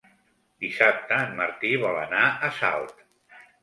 Dissabte en Martí vol anar a Salt.